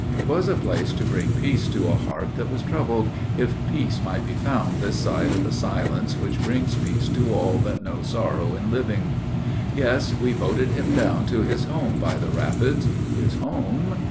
'Twas a place to bring peace to a heart that was troubled, If peace might be found this side of the silence Which brings peace to all that know sorrow in living. Yes, we boated him down to his home by the rapids. His home?